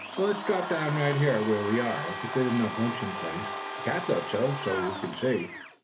"So, let's drop down right where we are. It's a good enough lunching place. The cat thought so, you can see."